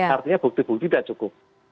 artinya bukti bukti tidak cukup